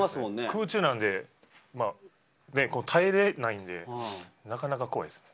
空中なので耐えれないので、なかなか怖いですね。